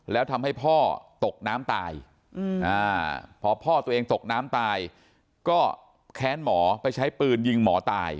แล้วทำให้พ่อตกน้ำตายพอพ่อตัวเองตกน้ำตาย